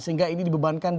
sehingga ini dibebankan